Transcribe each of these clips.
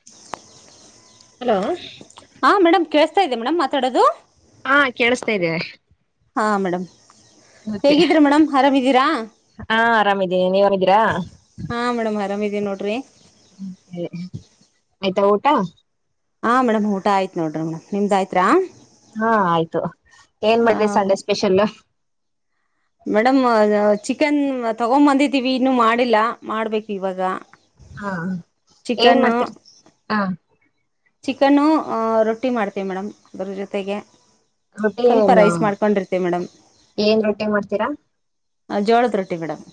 [unintelligible] Hello ಹಾ madam ಕೇಳಸತ ಇದೆ ಮೇಡಂ ಮಾತಾಡದು ಹಾ ಕೇಳಸ್ತಾ ಇದೆ ಹಾ ಮೇಡಮ್ ಓಕೆ ಹೇಗಿದ್ರಿ ಮೇಡಮ್ ಆರಾಮಿದ್ದೀರಾ ಹಾ ಆರಾಮಿದ್ದೀನಿ ನೀವ್ ಅರಾಮಿದಿರ ಹಾ ಮೇಡಮ್ ಆರಾಮ ಇದೀನಿ ನೋಡ್ರಿ ಆಯ್ತಾ ಊಟ ಹಾ ಮೇಡಮ್ ಊಟ ಆಯ್ತ ನೋಡ್ರಿ ಮೇಡಮ್ ನಿಮ್ಮದಾಯ್ತಾರ ಹಾ ಆಯ್ತು ಏನ್ ಮಾಡ್ರಿ ಸಂಡೆ ಸ್ಪೆಷಲ್ಲ ಮೇಡಮ್ ಚಿಕನ್ ತಗೊಂಬಂದಿದೀವಿ ಇನ್ನು ಮಾಡಿಲ್ಲ ಮಾಡ್ಬೇಕ್ ಇವಾಗ ಹಾ ಏನ್ ಚಿಕನ್ನು ಮಾಡ್ತಿರಿ ಹಾ ಚಿಕನ್ನು ರೊಟ್ಟಿ ಮಾಡ್ತೀವಿ ಮೇಡಮ್ ಅದರ ಜೊತೆಗೆ ರೊಟ್ಟಿ ಸ್ವಲ್ಪ ಏನು ರೈಸ್ ಮಾಡ್ಕೊಂಡಿರ್ತಿವಿ ಮೇಡಮ್ ಏನ್ ರೊಟ್ಟಿ ಮಾಡ್ತೀರಾ ಜೋಳದ ರೊಟ್ಟಿ ಮೇಡಮ್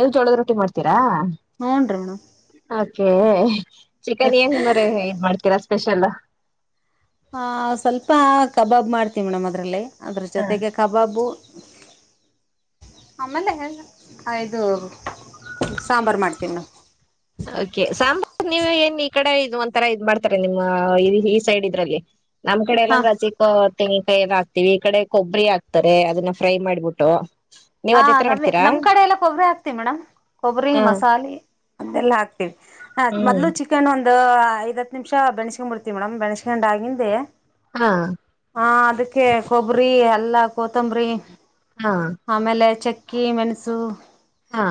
ಎಲ್ ಜೋಳದ ರೊಟ್ಟಿ ಮಾಡ್ತೀರಾ ಹ್ಞೂ ರೀ ಮೇಡಮ್ ಓಕೆ ಚಿಕನ್ ಏನ್ ಮರೆ ಏನ್ ಮಾಡ್ತೀರಾ ಸ್ಪೆಷಲ್ ಆ ಸ್ವಲ್ಪ ಕಬಾಬ್ ಮಾಡ್ತೀವಿ ಮೇಡಮ್ ಅದರಲ್ಲಿ ಅದ್ರ ಹಾ ಜೊತೆಗೆ ಕಬಾಬು ಆಮೇಲೆ ಆ ಇದು ಸಾಂಬಾರ್ ಮಾಡ್ತೀವಿ ಮೇಡಂ ಓಕೆ ಸಾಂಬಾರ್ ನೀವ ಏನ್ ಈ ಕಡೆ ಇದು ಒಂತರ ಇದ್ ಮಾಡ್ತಾರೆ ನಿಮ್ಮ ಈ ಸೈಡ್ ಇದ್ರಲ್ಲಿ ನಮ್ ಕಡೆ ಹಾ ಎಲ್ಲಂಗ ಹಸಿಕೊತ್ ತೆಂಗಿನಕಾಯಿದ ಹಾಕ್ತಿವಿ ಈ ಕಡೆ ಕೊಬ್ಬರಿ ಹಾಕ್ತಾರೆ ಅದನ್ನ ಫ್ರೈ ಮಾಡ್ಬಿಟ್ಟು ನೀವ್ ಹಾ ಅದೇ ತರ ನಮ್ ಮಾಡ್ತೀರಾ ನಮ್ ಕಡೆ ಎಲ್ಲ ಕೊಬ್ಬರಿ ಹಾಕ್ತಿವಿ ಮೇಡಮ್ ಕೊಬ್ಬರಿ ಹ ಮಸಾಲಿ ಅದೆಲ್ಲಾ ಹಾಕ್ತಿವಿ ಮೊದ್ಲು ಚಿಕ್ಕ ಚಿಕ್ಕನ್ ಒಂದ್ ಐದ್ ಹತ್ತ್ ನಿಮಿಷ ಬೆನಸ್ಕಂಡ್ ಬಿಡ್ತಿವಿ ಮೇಡಮ್ ಬೆನಸ್ಕಂಡ್ ಆಗಿಂದೆ ಹಾ ಹಾ ಅದಕ್ಕೆ ಕೊಬ್ಬರಿ ಎಲ್ಲಾ ಕೊತಂಬರಿ ಹಾ ಆಮೇಲೆ ಚೆಕ್ಕಿ ಮೆಣಸು ಹಾ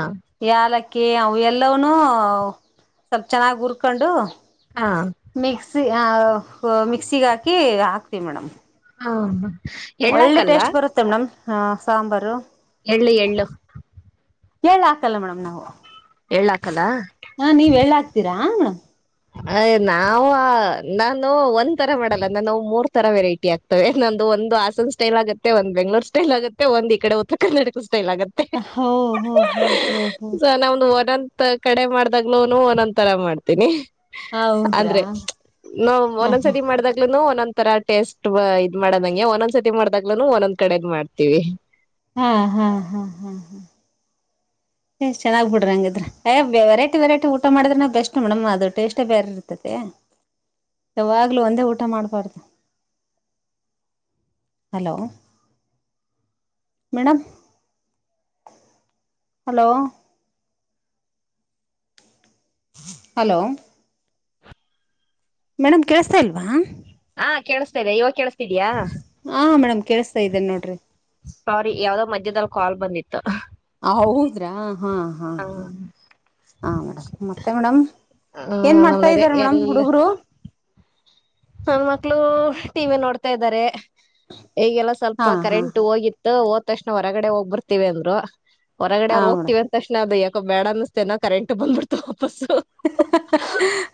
ಯಾಲಕ್ಕಿ ಅವ ಎಲ್ಲವನೂ ಸ್ವಲ್ಪ ಚೆನ್ನಾಗ್ ಹುರ್ಕೊಂಡು ಹಾ ಮಿಕ್ಸಿ ಮಿಕ್ಸಿಗೆ ಹಾಕಿ ಹಾಕ್ತಿವಿ ಮೇಡಮ್ ಹ ಒಳ್ಳೆ ಟೇಸ್ಟ್ ಬರುತ್ತೆ ಮೇಡಂ ಹ ಸಾಂಬಾರು ಎಳ್ಳು ಎಳ್ಳು ಎಳ್ಳು ಆಕಲ್ಲ ಮೇಡಮ್ ನಾವು ಎಳ್ಳ ಆಕಲ್ಲ ಹಾ ನೀವ್ ಎಳ್ಳ ಹಕ್ತೀರಾ ಮೇಡಮ್ ಅಯ್ ನಾವವು ನಾನು ಒಂದ್ ತರ ಮಾಡಲ್ಲ ನಾನು ಮೂರ್ ತರ ವೆರೈಟಿ ಆಗ್ತ ನಮ್ದು ಒಂದು ಆಸಂ ಸ್ಟೈಲ್ ಆಗುತ್ತೆ ಒಂದ ಬೆಂಗಳೂರು ಸ್ಟೈಲ್ ಆಗುತ್ತೆ ಒಂದ್ ಈ ಕಡೆ ಉತ್ತರ ಕರ್ನಾಟಕ ಸ್ಟೈಲ್ ಆಗುತ್ತೆ ಹ ಹ ಹ ಹ ಹ ಸೊ ನಮ್ದು ಕಡೆ ಮಾಡ್ದಾಗ್ಲೂನು ಒಂದೊಂದ್ ತರ ಮಾಡ್ತೀನಿ ಹೌದ್ರಾ ಅಂದ್ರೆ ನಾ ಹಾ ಹಾ ಒಂದೊಂದ್ಸತಿ ಮಾಡ್ದಾಗ್ಲುೂನು ಒಂದೊಂದ ತರ ಟೇಸ್ಟ್ ಇದ್ ಮಾಡೋದಂಗೆ ಒಂದೊಂದ್ ಸತಿ ಮಾಡಿದ್ದಾಗ್ಲುನು ಒಂದೊಂದ್ ಕಡೆಗ್ ಮಾಡ್ತೀವಿ ಹಾ ಹಾ ಹಾ ಹಾ ಹಾ ಹುಮ್ಮ್ ಚೆನಾಗ್ ಬಿಡ್ರಿ ಅಂಗಿದ್ರೆ ಏ ವೆರೈಟಿ ವೆರೈಟಿ ಊಟ ಮಾಡಿದ್ರೆ ಬೆಸ್ಟ್ ಮೇಡಂ ಅದು ಟೆಷ್ಟೇ ಬೇರೆ ರೀತಿ ಇರ್ತತಿ ಹ [inaudible] ಯಾವಾಗ್ಲೂ ಒಂದೇ ಊಟ ಮಾಡ್ಬಾರ್ದು hello madam hello hello madam ಕೇಳ್ಸ್ತಾ ಇಲ್ವಾ ಹಾ ಕೇಳಿಸ್ತಿದೆ ಇವಾಗ ಕೇಳಿಸ್ತಿದಿಯ ಹಾ ಮೇಡಮ್ ಕೇಳಿಸ್ತಾ ಇದ್ದೇ ನೋಡ್ರಿ ಸಾರೀ ಯಾವ್ದೋ ಮಧ್ಯದಲ್ಲಿ ಕಾಲ್ ಬಂದಿತ್ತು ಹೌದ್ರಾ ಹಾ ಹಾ ಹಾ ಹ ಮೇಡಮ್ ಮತ್ತೆ ಮೇಡಮ್ ಏನ್ ಮಾಡ್ತಾ ನಮ್ದದೆ ಇದ್ದಾರೆ ಮೇಡಮ್ ಎಲ್ಲ ಹುಡುಗರು. ನನ್ ಮಕ್ಳು ಟಿ ವಿ ನೋಡ್ತಾ ಇದ್ದಾರೆ ಈಗೆಲ್ಲ ಸ್ವಲ್ಪ ಹಾ ಹಾ ಕರೆಂಟ್ ಹಾ ಹೋಗಿ. ಹೋದ್ ತಕ್ಷಣ ಹೊರಗಡೆ ಹೋಗ್ಬರ್ತತಿವಿ ಅಂದರು ಹೊರಗಡೆ ಹಾ ಅವ್ರು ಮೇಡಮ್ ಹೋಗ್ತಿವಿ. ತಕ್ಷಣ ಅದು ಯಾಕ ಬೇಡ ಅನ್ನಿಸತೇನೆ ಕರೆಂಟ್ ಬಂದಬಿಡ್ತು ವಾಪಸ್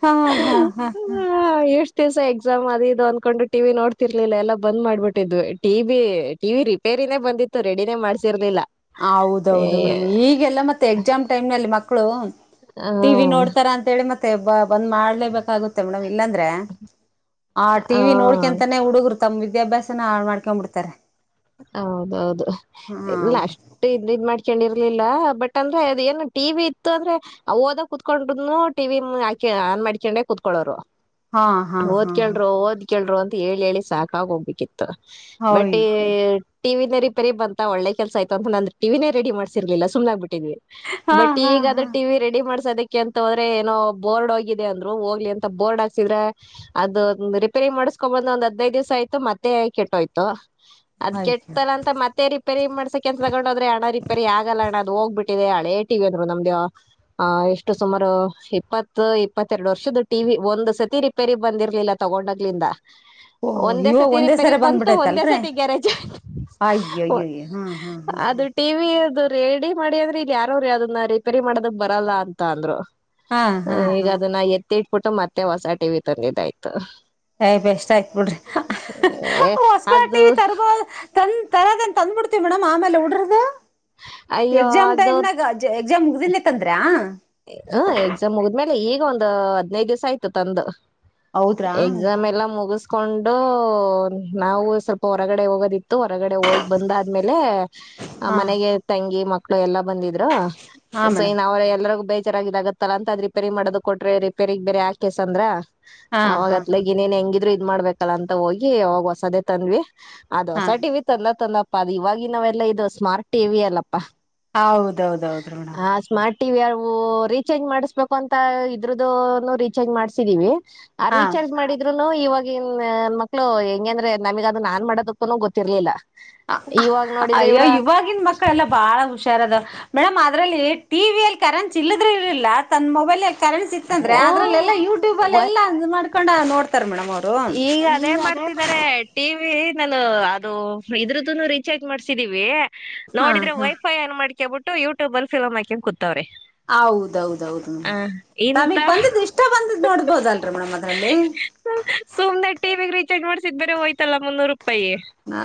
ಹಾ ಹಾ ಹಾ. ಹಾ ಹ ಎಷ್ಟ ದಿವಸ ಎಕ್ಸಾಮ್ ಅದು ಇದು ಅಂದ್ಕೊಂಡು ಟಿವಿ ನೋಡ್ತಿರ್ಲಿಲ್ಲ ಎಲ್ಲ ಬಂದ್ ಮಾಡ್ಬಿಟ್ಟಿದ್ವಿ ಟಿವಿ ಟಿ ರಿಪೇರಿನೇ ಬಂದಿತ್ತು ರೆಡಿನೇ ಮಾಡ್ಸಿರ್ದಿಲ್ಲ ಹೌದೌದು ಮೇಡಮ್ ಈಗೆಲ್ಲ ಮತ್ತೆ ಎಕ್ಸಾಮ್ ಟೈಮ್ ನಲ್ಲಿ ಮಕ್ಕಳು ಆ, ಟಿ ವಿ ನೋಡ್ತಾರ ಅಂತೇಳಿ ಮತ್ತೆ ಬ ಬಂದ್ ಮಾಡ್ಲೇಬೇಕಾಗುತ್ತೆ ಮೇಡಮ್ ಇಲ್ಲಾಂದ್ರೆ ಆ ಟಿ ನೋಡ್ಕೊಂತಾನೇ ಹುಡುಗ್ರು ತಮ್ಮ್ ವಿದ್ಯಾಭ್ಯಾಸನ ಮಾಡ್ಕೊ ಬಿಡ್ತಾರೆ ಹೌದೌದು ಹಾ ಇಲ್ಲ ಮೇಡಮ್ ಅಷ್ಟ ಇದ್ ಮಾಡ್ಕೊಂಡಿರ್ಲಿಲ್ಲ ಬಟ್ ಅಂದ್ರೆ ಅದ ಏನು ಟಿ ವಿ ಇತ್ತು ಅಂದ್ರೆ ಓದ ಕುತ್ಕೊಂಡ್ನು ಟಿವಿ ಹಾಕಿ ಆನ್ ಮಾಡ್ಕೊಂಡ್ರೆ ಕುತ್ಕೊಳೋರು ಹಾ ಹಾ ಹಾ ಹಾ ಓದ್ಕೇಳರು ಓದ್ ಕೆೇಳರು ಅಂತ ಹೇಳಿ ಹೇಳಿ ಸಾಕಾಗ ಹೋಗ್ಬೇಕಿತ್ತು ಬಟ್ ಹಯ್ ಟಿವಿ ನೀ ರಿಪೇರಿ ಬಂತ ಒಲ್ಲೆ ಕೆಲ್ಸ ಆಯ್ತು ಅಂತ ನಂದು ಟಿವಿನೇ ರೆಡಿ ಮಾಡ್ರ್ಲಿಲ್ಲ ಸುಮ್ಮನೆ ಆಗ್ ಬಿಟ್ಟಿದ್ವಿ ಹಾ ಬಟ್ ಹಾ ಈಗಾದ್ರ ಹಾ ಟಿ ವಿ ರೆಡಿ ಮಾಡ್ಸೋದಕ್ಕೆ. ಕೆ ಎಂತ ಹೋದ್ರೆ ಏನೋ ಬೋರ್ಡ್ ಹೋಗಿದೆ ಅಂದ್ರು ಹೋಗ್ಲಿ ಅಂತ ಬೋರ್ಡ್ ಹಾಕ್ಸಿದ್ರ. ಅದು ಒಂದ್ ರಿಪೇರಿ ಮಾಡುಸ್ಕೊ ಬಂದ್ ಒಂದ್ ಹದ್ನೈದ್ ದಿವ್ಸ ಆಯ್ತು ಮತ್ತೆ ಕೆಟ್ಟೋಯ್ತು. ಅದ್ ಆಯ್ತು ಕೆಟ್ತಲಾಂತ ಮತ್ತೇ ರಿ ರಿಪೇರಿ ಮಾಡ್ಸಕೆ ಅಂತ್ ತಗೊಂಡೋದ್ರೆ ಅಣ ರಿಪೇರಿ ಆಗಲ್ಲ ಅಣ ಅದು ಹೋಗ್ಬುಟಿದೆ ಅದು ಹಳೆ ಟಿವಿ ಅಂದ್ರು ನಮ್ದು ಹ ಎಷ್ಟು ಸುಮಾರು ಇಪ್ಪತ್ತು ಇಪ್ಪತ್ತೆರಡ್ ವರ್ಷದ ಟಿವಿ ಒಂದ್ ಸತಿ ರಿ ಪೆರಿಗ್ ಬಂದಿರ್ಲಿಲ್ಲ ತಗೊಂಡೋಗ್ಲಿಂದ ಓ ಒಂದೇ ಇವಾಗ ಸತಿ ರಿಪೇರಿಗ್ ಬಂತು ಒಂದೇ ಸತಿ ಗ್ಯಾರೇಜ್ ಆಯ್ ಆ ಆಯ ಹ್ಮ್ ಹ್ಮ್ ಹ್ಮ್. ಟಿ ವಿ ಅದು ರೆಡಿ ಮಾಡಿ ಅಂದ್ರೆ ಇಲ್ಲಿ ಯಾರ್ರ ಅದನ್ನ ರಿಪೇರಿ ಮಾಡ್ದಕ್ ಬರಲ್ಲ ಅಂತ ಅಂದ್ರು. ಹಾ ಹಾ ಹ ಹಾ ಈಗ ಹಾ ಅದನ್ನ ಎತ್ತಿಟ್ಬಿಟ್ಟು ಮತ್ತೆ ಹೊಸ ಟಿ ವಿ ತಂದಿದ್ದಾಯ್ತು. ಯ್ ಬೆಸ್ಟ್ ಆಯ್ತ್ ಬಿಡ್ರಿ ಹೊಸ ಅದು ಟಿವಿ ತರ್ಬೋದು. ತನ್ ತರದೆನ್ ತಂದ್ ಬಿಡ್ತೀವಿ ಮೇಡಮ್ ಆಮೇಲೆ ಉಡ್ರದು ಅಯ್ಯೋ ಎಕ್ಸಾಮ್ ಅದು ಟೈಮ್ ನಾಗ. ಎ ಎಕ್ಸಾಮ್ ಮುಗ್ದಿನ್ ತಂದ್ರಾ. ಹ ಎಕ್ಸಾಮ್ ಹಗದ್ಮೇಲೆ ಈಗ ಒಂದ್ ಹದ್ನೈದ್ ದಿವ್ಸ ಆಯ್ತು ತಂದು. ಹೌದ್ರಾ ಎಕ್ಸಾಮ್ ಎಲ್ಲ ಮುಗುಸ್ ಕೊಂಡು ನಾವು ಸ್ವಲ್ಪ ಹೊರಗಡೆ ಹೋಗೋದಿತ್ತು ಹೊರಗಡೆ ಹೋಗಿ ಬಂದಾದ್ಮೇಲೆ. ಆ ಹಾ ಮನೆಗೆ ತಂಗಿ ಮಕ್ಕಳು ಎಲ್ಲಾ ಬಂದಿದ್ರು ಹಾ ಸೊ ಮೇಡಮ್ ಇನ್ ಅವ್ರಿಗೆ ಎಲ್ಲರ್ಗು. ಬೇಜಾರ್ ಆಗಿ ಆಗತ್ತಲ್ಲ ಅಂತ ಅದ್ ರಿಪೇರಿ ಮಾಡೋದುಕ್ ಕೊಟ್ರೆ ರಿಪೇರಿಗ್ ಬೇರೆ ಹಾಕೆಸ್ ಅಂದ್ರ ಹಾ ಆವಾಗ್ ಹಾ ಅತ್ಲಗ್ ಇನೇನ್ ಹೆಂಗಿದ್ರು ಇದ್ ಮಾಡ್ಬೇಕಲ್ಲ ಅಂತ ಹೋಗಿ ಅವಾಗ್ ಹೊಸದೇ ತಂದ್ವಿ ಅದ್ ಹಾ ಹೊಸ ಟಿ ವಿ ತಂದ ತಂದಪ್ಪಾ ಅದು ಇವಾಗಿ ನಾವೆಲ್ಲ ಇದು ಸ್ಮಾರ್ಟ್ ಟಿವಿ ಅಲ್ಲಪ್ಪಾ. ಹೌದೌದೌದ ಮೇಡಮ್. ಟಿವಿ ಅವು ರೀಚಾರ್ಜ್ ಮಾಡ್ಸ್ಬೇಕು ಅಂತ ಇದ್ರದುನು ರೀಚಾರ್ಜ್ ಮಾಡ್ಸಿದೀವಿ. ಆ ಹಾ ರೀಚಾರ್ಜ್ ಮಾಡಿದ್ ಇದ್ರುನು ಇವಾಗಿನ್ ಮಕ್ಳು ಹೆಂಗೆ ಅಂದ್ರೆ ನಮಿಗ್ ಅದು ನಾನ್ ಮಾಡೋದಕ್ಕೂ ಗೊತ್ತಿರ್ಲಿಲ್ಲ. ಅ ಇವಾಗ್ ನೋಡಿದ್ರೆ ಅಯ್ಯ ಇವ್ರು ಇವಾಗಿನ ಮಕ್ಕಳ ಎಲ್ಲ ಬ್ ಭಾಳ ಹುಷಾರ್ ಅದವ್ ಮೇಡಮ್ ಅದ್ರಲ್ಲಿ ಟಿವಿ ಅಲ್ಲಿ ಕರೆಂಟ್ ಇಲ್ಲದ್ರೆ ಇರ್ಲಿಲ್ಲ ತನ್ನ್ ಮೊಬೈಲ್ ಕರೆನ್ಸಿ ಇತ್ತಂದ್ರೆ ಓ ಅದ್ರಲ್ಲೆಲ್ಲಾ ಯೂಟ್ಯೂಬ್ ಅಲ್ ವ~ ಎಲ್ಲ ಅದ್ ಮಾಡ್ಕೊಂಡ್ ನೋಡ್ತಾರೆ ಮೇಡಮ್ಮೊರ್. ಈಗ ಅದೇ ಮಾಡ್ತಿದ್ದಾರೆ. ಟಿ ವಿ ನಾನು ಅದು ಇದ್ರದ್ದುನು ರೀಚಾರ್ಜ್ ಮಾಡ್ಸಿದೀವಿ ಹಾ ನೋಡಿದ್ರೆ ಹಾ ವೈಫ್ ಫೈ ಆನ್ ಮಾಡ್ಕೊಬಿಟ್ಟು ಯೂಟ್ಯೂಬ್ಲ ಫಿಲ್ಮ್ ಹಾಕ್ಯಂಡ್ ಕುತವ್ರೆ. ಹೌದೌದೌದು ಇಂತಾ ತಮಿಗ್ ಬಂದಿದ್ ಇಷ್ಟ ಬಂದಿದ್ದ್ ನೋಡ್ಬೋದಲ್ರಿ ಮೇಡಮ್ ಅದ್ರಲ್ಲಿ. ಸುಮ್ನೆ ಟಿವಿಗ್ ರೀಚಾರ್ಜ್ ಮಾಡ್ಸಿದ್ ಬೇರೆ ಹೋಯ್ತಲ್ಲ ಮುನ್ನೂರ್ ರೂಪಾಯಿ.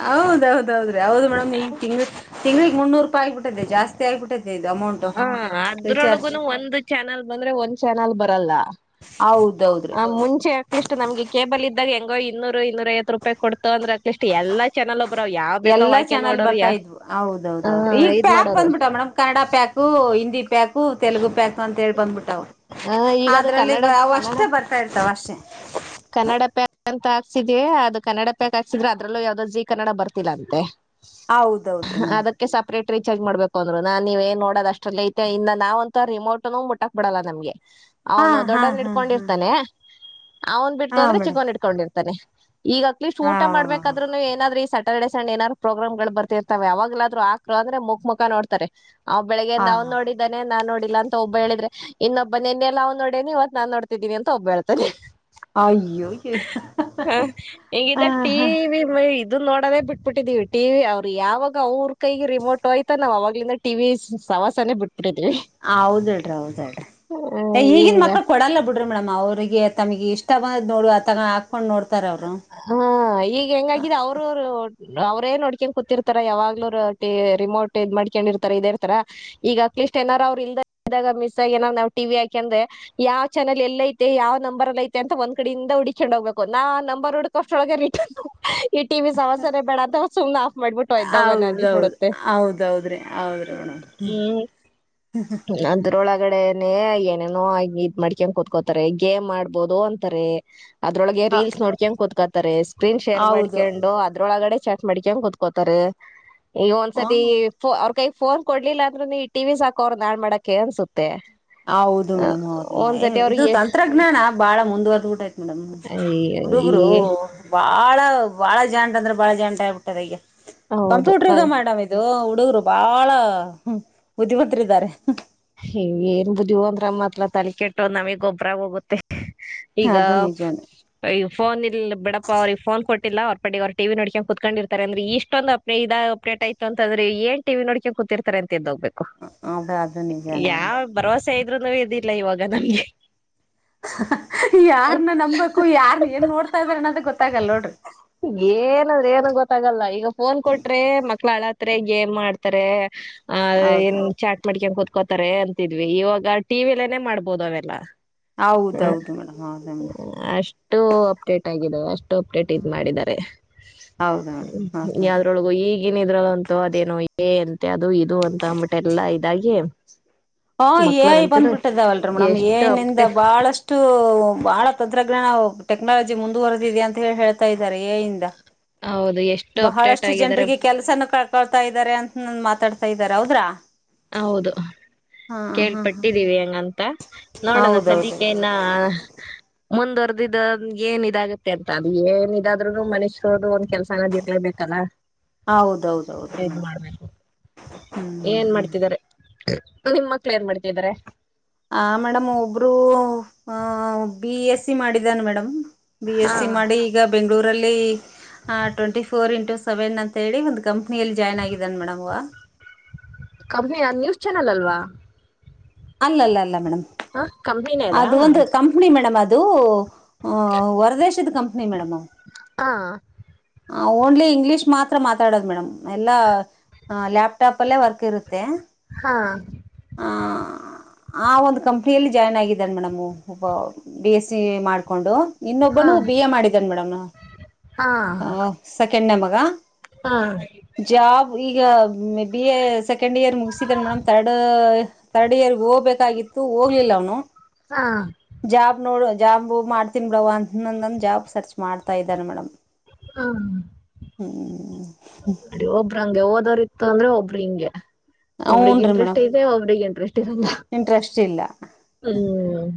ಹೌದೌದೌದ್ರಿ ಹೌದು ಮೇಡಮ್ ಈಗ ತಿಂಗ್ ತಿಂಗ್ಳಿಗ್ ಮುನ್ನೂರುಪಾಯ್ ಆಗ್ಬಿಟೈತೆ ಜಾಸ್ತಿ ಆಗ್ಬಿಟ್ಟೈತೆ. ತೆದ್ ಅಮೌಂಟ್. ಹಾ ಅದ್ರೊಳೊಗುನು ಒಂದ್ ಚಾನಲ್ ಬಂದ್ರೆ ಒಂದ್ ಚಾನಲ್ ಬರಲ್ಲ ಹೌದೌದ್ರಿ ಆ ಮುಂಚೆ ಅಟ್ಲೀಸ್ಟ್ ನಮ್ಗೆ ಕೇಬಲ್ ಇದ್ದಾಗ ಹೆಂಗೋ ಇನ್ನೂರು ಇನ್ನೂರ್ ಐವತ್ ರೂಪಾಯಿ ಕೊಡ್ತು ಅಂದ್ರೆ. ಲಷ್ಟಿ ಎಲ್ಲಾ ಚಾನಲ್ ಒಬ್ರ ಯಾವ್ ಬೇಕ ಎಲ್ಲಾ ವಾಕ್ಯ ಚಾನಲ್ ನೋಡರು ಯ ಬರ್ತಾ ಇದ್ವು ಹೌದೌದೌದ್ರಿ ಈಗ ಇದ್ ಪ್ಯಾಕ್ ಮಾಡೋರು. ಬಂದ್ಬಿಟ್ಟ ಮೇಡಮ್ ಕನ್ನಡ ಪ್ಯಾಕ್ ಊ ಹಿಂದಿ ಪ್ಯಾಕು ತೆಲ್ಗು ಪ್ಯಾಕು ಅಂತ ಹೇಳಿ ಬಂದ್ಬಿಟವ, ಆ ಈಗ ಅದು ಅದ್ರಲ್ಲಿ ಕನ್ನಡ ಬ ಅವಷ್ಟೇ ತ ಇರ್ತವ್ ಅಷ್ಟೇ. ಕನ್ನಡ ಪ್ಯಾಕ್ ಅಂತ ಹಾಕ್ಸಿದವಿ ಅದು ಕನ್ನಡ ಪ್ಯಾಕ್ ಹಾಕ್ಸಿದ್ರೆ ಅದ್ರಲ್ಲೂ ಯಾವ್ದೋ ಜಿ ಕನ್ನಡ ಬರ್ತಿಲ್ಲ ಅಂತೆ. ಹೌದೌದ್ರೀ ಮೇಡಮ್. ಕೆ ಸಪ್ರೇಟ್ ರೀಚಾರ್ಜ್ ಮಾಡ್ಬೇಕು ಅಂದ್ರು ನಾನ್ ಏನ್ ನೀವ್ ನೋಡದ್ ಅಷ್ಟರಲ್ಲೇ ಐತೆ ಇನ್ನ್ ನಾವ್ ಅಂತು ರಿಮೋಟನು ಮುಟಕ್ ಬಿಡಲ್ಲ ನಮ್ಗೆ ಹಾ ಅವ್ನು ಹಾ ದೊಡೋನ್ ಹಾ ಹಾ ಇಡ್ಕೊಂಡಿರ್ತಾನೆ. ಅವ್ನ್ ಬಿಡ್ತು ಹಾ ಅದ್ರೆ ಮೇಡಮ್ ಚಿಕ್ಕೊನ್ನ್ ಇಟ್ಕೊಂಡಿರ್ತಾನೆ ಈಗ್ ಅಟ್ಲೀಸ್ಟ್ ಹಾ ಊಟ ಮಾಡ್ಬೇಕಾದ್ರು ಏನಾದ್ರೂ ಸ್ಯಾಟರ್ಡೆ ಸಂಡೆ ಏನಾದರು ಪ್ರೋಗ್ರಾಂ ಗಳು ಬರ್ತಿರ್ತಾವ ಅವಾಗಲ್ಲಾದ್ರು ಆಕರು ಅಂದ್ರೆ ಮುಖ್ ಮುಖ ನೋಡ್ತಾರೆ. ಅವ ಬೆಳಿಗ್ಯಿಂದ ಹಾ ಅವ್ ಹಾ. ನೋಡಿ. ಇದೇ ನಾ ನೋಡಿಲ್ಲ ಅಂತ ಒಬ್ಬ ಹೇಳಿದ್ರೆ ಇನ್ನೊಬ್ಬ ನಿನ್ನೆಲ್ಲ ಅವ್ ನೋಡನ ಇವತ್ ನಾ ನೋಡ್ತಿದಿನಿ ಅಂತ ಒಬ್ಬ ಹೇಳ್ತನೆ. ಅಯ್ಯೋ. ಹ್ಮ ಹ ಈಗಿದೆ ಟಿ ಹಾ ವಿ. [inaudible] ಅದು ನೋಡದೇ ಬಿಟ್ಬಿಟ್ಟಿದೀವಿ ಟಿವಿ ಅವ್ರು ಯಾವಾಗ ಅವ್ರ ಕೈಗೆ ರಿಮೋಟೋಯ್ತು ನಾವ್ ಅವಾಗಲಿಂದ. ಟಿವಿ ಸವಾಸ ನ ಬಿಟ್ಟ ಹೌದೇಡ್ರಿ ಹೌದೇಡ್ರಿ ಈಗನ್ ಹಿಂಗ ಮಕ್ಕಳ ಕೊಡಲ್ಲ ಬಿಟ್ಟ ಮೇಡಮ್ ಅವ್ರಿಗೆ ತಮಗೆ ಇಷ್ಟ ಬಂದ್ ನೋಡ್ ತ ಹಾಕೊಂಡ್ ನೋಡ್ತಾರ ಅವ್ರು ಹಾ ಈಗ ಹೆಂಗಾಗಿದೆ ಅವ್ರರು ಅವ್ರೇನ್ ನೋಡ್ಕೊಂಡ್ ಕೂತಿರ್ತಾರ ಯಾವಾಗ್ಲೂರು ರಿಮೋಟ್ ಇದ್ ಮಾಡಡ್ಕೊಂಡ ಇರ್ತಾರ ಇದ ಇರ್ತಾರ ಈಗ ಅಟ್ಲೀಸ್ಟ್ ಏನಾರ ಅವ್ರ ಇಲ್ದ ಇದಾಗ ಮಿಸ್ ಆಗ ನಾರ ನಾ ಟಿ ವಿ ಅಂದ್ರೆ ಯಾವ ಚಾನಲ್ ಎಲ್ಲ ಐತೆ ಯಾವ ನಂಬರ್ ಅಲ್ಲ ಐತೆ ಅಂತ ಒಂದ್ ಕಡೆಯಿಂದ ಹುಕೊಂಡ್ ಹೋಗ್ಬೇಕು ನಾ ನಂಬರ್ ಹುಡ್ಕೋಸ್ಟ್ರೊಳಗೆ ಈ ಟಿ ಈ ಟಿವಿ ಸವಾಸನೆ ಬೇಡ ಅಂತ ಸುಮ್ನೆ ಆಫ್ ಮಾಡ್ಬಿಟ್ಟು ಹೌದೌದ್ ಹೌದೌದ್ರಿ ಹೌದ್ರಿಡ ಅದ್ರೊಳಗಡೆನೆೇ ಏನೇನೋ ಇದ ಮಾಡಡ್ಕನ್ ಕುೂತ್ಕೋತಾರೆ ಗೇಮ್ ಮಾಡ್ಬೋದು ಅಂತಾರೆ ಅದ್ರೊಳಗೆ ಹ ರೀಲ್ಸ್ ನೋಡ್ಕೊಂಡ ಕುೂತ್ಕತಾರೆ ಸ್ಕ್ರೀನ್ ಶೇರ್ ಹೌದು ಮಾಡ್ಕೊಂಡು ಅದ್ರೊಳಗಡೆ ಚ ಮಾಡಡಿಕಕಂಗ ಕುೂತ್ಕೋತಾರೆ ಈಗ ಹ ಒಂದ್ಸತಿ ಅವ್ರ ಕೈ ಫೋನ್ ಕೊಡ್ಲಿಲ್ಲ ಅಂದ್ರೂ ಈ ಟಿ ವಿ ಸ ಅವರ್ ನಾಳ್ ಮಾಡಕ ಅನ್ಸುತ್ತೆ ಹೌದು ಆ, ಮೇಡಮ್ ಹೌದಿನ ಒಂದ್ಸತಿ ಅವ್ರು ಇದು ಎಷ್ಟ್ ತಂತ್ರಜ್ಞಾನ ಬಾಳ ಮುಂದುವರೆದು ಬಿಟ್ಟಿದ ಆ್ತತ್ ಮೇಡಮ್ ಹುಡುಗರು ಬಾಳ ಬಾಳ ಜಂಟ್ ಅಂದ್ರೆ ಬಾಳ ಜಂಟ ಆಗ್ಬಿಟ್ಟದ ಈಗ ಹೌದು ಕಂಪ್ಯೂಟರ್ಗ ಅದ್ ಮಾಡ್ ಇದು ಹುಡುಗರು ಬಾಳ ಬುದ್ದಿವಂತರು ಇದಾರೆ. ಏನ್ ಬುದ್ದಿವ ಅಂದ್ರಮ್ಮತ್ರ ತಲೆ ಕೆಟ್ಟು ನಮಗ್ ಗೊಬ್ರ ಹೋಗುತ್ತೆ. ಈಗ ಅದು ನಿಜಾನೇ ಈಗ ಫೋನ್ ಇ ಬಿಡಪ್ಪ ಅವ್ರಿಗೆ ಫೋನ್ ಕೊಟ್ಟಿಲ್ಲ ಅವ್ರ ಪಟ್ಟ ಅವ್ ಟಿ ನೋಡ್ಕೊಂಡ ಕ ಕುತ್ಕೊಂಡಿರ್ತ ಅಂದ್ರೆ ಇಷ್ಟೊಂದು ಇದ ಅಪ್ಡೇಟ್ ಆಯತು ಅ್ರ ಏನ್ ಟಿ ವಿ ನೋಡ್ಕೊಂಡು ಕೂತಿತ ಅ ಎದೋಗ್ಬೇಕು ಹದೇ ಅ ಯಾವ ಭರವಸೆ ಇದ್ರುನು ಇದಿಲ್ಲ ಇವಾಗ ನಮ್ಗೆ ಯಾರ್ನ ನಂಬು ಯಾರ್ನ್ ಏನ್ ನೋಡ್ತಾ ಇದ್ರ ಅನ್ನೋದ ಗೊತ್ತಾಗಲ್ಲ ನೋಡ್ರಿ ಏನಂದ್ರ ಏನ ಗೊತ್ತಾಗಲ್ಲ ಈಗ ಫೋನ್ ಕೊಟ್ರೆ ಮಕ್ಳ ಹಳ ಗೇಮ್ ಮಾಡ್ತಾರೆ ಹೌದು ಚಾಟ್ ಮಾಡ್ಕಂಗ ಕುೂತ್ಕೋತಾರೆ ಅಂತಿದ್ವಿ ಇವಾಗ ಟಿ ವಿ ಅಲ್ಲೇ ಮಾಡ್ಬೋದು ಅವೆಲ್ಲ ಹೌದೌದು ಮೇಡಮ್ ಹೌದ ಮೇಡಮ್ ಅಷ್ಟು ಅಪ್ಡೇಟ್ ಆಗಿದ್ದಾವ ಅಷ್ಟ ಟೋಪ್ಟ್ ಇದ್ ಮಾಡಿದ್ದಾರೆ ಹೌದು ಮೇಡಮ್ ಹೌದು ಇದ್ರೊಳಗು ಈಗಿನ ಇದ್ರೋಳ ಅಂತು ಅದೇನೋ ಏ ಅಂತೆ ಅದು ಇದು ಅಂತ ಅಂದ್ಬಿಟ್ಟೆ ಎಲ್ಲ ಇದಾಗಿ [unintelligible] ಹಾ ಏಯ್ ಐ ಮಕ್ಳಗಂತೂ ಬಂದ್ಬಿಟ್ಟದಾವಲ್ರರಿ ಮೇಡಮ್ ಎಷ್ಟು ಏಯ್ ಐ ಇಂದ ಅಪ್ಡೇ ಬಹಳಷ್ಟು ಅಷ್ಟು ಬಹಳ ತಂತ್ರಜ್ಞಾನ ಟೆಕ್ನಾಲಜಿ ಮುಂದುವರೆದಿದೆ ಅಂತ ಹೇಳಿ ಹೇಳ್ತಾ ಇದ್ದಾರೆ ಏಯಿಂದ ಹೌದು ಎಷ್ಟು ಅಪ್ಡೇಟ್ ಬಹಳಷ್ಟು ಆಗಿದ್ದಾರೆ ಜನರಿಗೆ ಕೆಲ್ಸನ ಕಳ್ಕೊಳ್ತಾ ಇದ್ದಾರೆ ಅಂತ ಮಾತಾಡ್ತಾ ಇದಾರೆ ಹೌದ್ರಾ ಹೌದು ಹಾ ಹಾ ಹಾ ಕೇಳ್ಪಟ್ಟಿದ್ದೀವಿ ಹೆಂಗಂತ ನೋಡೋಣ ಸದ್ಯಕ್ಕೆ ಹೌದೌದೌದು ನಾ ಮುಂದ್ವರ್ದ ಇದ ಏನ್ ಇದಾಗುತ್ತೆ ಅಂತ ಅದು ಏನ್ ಇದಾದ್ರು ಮನುಷ್ಯರದು ಒಂದ ಕೆಲ್ಸ ಅನ್ನೋದ ಇದ್ರೇನೆ ಲ [unintelligible] ಹೌದೌದು [unintelligible] ಹ್ಮ್ ಹ್ಮ್ [unintelligible] ನಿಮ ಮಕ್ಳು ಏನ್ ಮಾಡ್ತಿದ್ದಾರೆ? ಆ ಮೇಡಮ್ ಒಬ್ಬರು ಆ ಬಿ ಎಸ್ ಸಿ ಮಾಡಿದಾನ ಮೇಡಮ್ ಬಿ ಹಾ ಎಸ್ ಸಿ ಮಾಡಿ ಈಗ ಬೆಂಗಳೂರಲ್ಲಿ ಟ್ವೆಂಟಿ ಫೋರ್ ಇಂಟು ಸೆವೆನ್ ಅಂತ ಹೇಳಿ ಒಂದು ಕಂಪ್ನಿಯಲ್ಲಿ ಜಾಯ್ನ್ ಆಗಿದ್ದಾನೆ ಮೇಡಮ್ ಕಂಪನಿನ ನ್ಯೂಸ್ ಚಾನಲ್ ಅಲ್ವಾ? ಅಲ್ಲ ಅಲ್ಲ ಅಲ್ಲ ಮೇಡಮ್ ಹ ಕಂಪನಿ ಅದಾ? ಅದು ಒಂದು ಕಂಪ್ನಿ ಮೇಡಮ್ ಅದು ಹೊರದೇಶದ ಕಂಪ್ನಿ ಮೇಡಮ್ ಅದು. ಹಾ ಹ ಓನ್ಲಿ ಇಂಗ್ಲಿಷ್ ಮಾತ್ರ ಮಾತಾಡೋದು ಮೇಡಮ್ ಎಲ್ಲಾ ಹ ಲ್ಯಾಪ್ಟಾಪ್ ಅಲ್ಲೇ ವರ್ಕ್ ಇರುತ್ತೆ. ಹಾ [inaudible] ಆ ಒಂದು ಕಂಪ್ನಿಯಲ್ಲಿ ಜಾಯ್ನ್ ಆಗಿದ್ದಾನೆ ಮೇಡಮು ಒಬ್ಬ ಬಿ ಎಸ್ ಸಿ ಮಾಡಿಕೊಂಡು. ಹಾ ಇನ್ನೊಬ್ಬನು ಬಿ ಎ ಮಾಡಿದನ ಮೇಡಮ್ ಹಾ ಸೆಕೆಂಡನೆ ಮಗ ಹಾ ಜಾಬ್ ಈಗ ಮೆ ಬಿ ಸೆಕೆಂಡ್ ಇಯರ್ ಮುಗಿಸಿದನೆ ಮೇಡಮ್ ತರ್ಡ್ ಥರ್ಡ್ ಇಯರ್ಗೆ ಹೋಗ್ಬೇಕಾಗಿತ್ತು ಹೋಗ್ಲಿಲ್ಲ ಅವ್ನು ಹಾ ಜಾಬ್ ನೋಡು ಜಾಬ್ ಮಾಡ್ತೀನಿ ಬುಡವ್ವ ಅಂತಂನ್ದ ಜಾಬ್ ಸರ್ಚ್ ಮಾಡ್ತಾ ಇದ್ದಾನ ಮೇಡಮ್. ಹ್ಮ ಹ್ಮ್ ಅಡಿ ಒಬ್ಬ್ರ ಹಂಗೆ ಓದೋರ್ ಇತ್ತು ಅಂದ್ರೆ ಒಬ್ಬ್ರ ಹಿಂಗೆ ಒಬ್ರಿಗೆ ಹ್ಞನ್ ರೀ ಇಂಟ್ರೆಸ್ಟ್ ಮೇಡಮ್ ಇರುತ್ತೆ ಒಬ್ಬರಿಗೆ ಇಂಟ್ರೆಸ್ ಇರಲ್ಲ. ಇಂಟ್ರೆಸ್ಟ್ ಇಲ್ಲ ಹ್ಮ್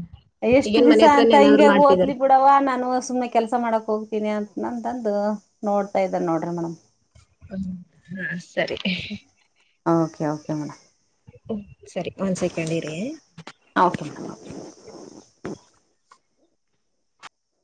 ಎಷ್ಟು ಈಗೇನ್ ದಿವಸ ಮನೆ ಅಂತ ಹತ್ರನೇ ಏನಾದ್ರು ಹಿಂಗೆ ಓದ್ಲಿ ಮಾಡ್ತಿದಾರ ಬಿಡು ನಡವಾ ನಾನು ಸುಮ್ನೆ ಕೆಲಸ ಮಾಡಕ್ ಹೋಗ್ತೀನಿ ಅಂತಂತಂದು ನೋಡ್ತಾ ಇದ್ದ ನೋಡ್ರಿ ಮೇಡಮ್ ಹ್ಮ [unintelligible] [unintelligible] ಸರಿ ಓಕೆ ಓಕೆ ಮೇಡ್ಮ್. ಹ ಸರಿ ಒಂದ್ ಸೆಕೆಂಡ್ ಇರಿ ಹ ಓಕೆ ಮಡ್ಮ.